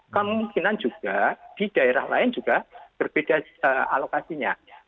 kemungkinan juga di daerah lain juga berbeda alokasinya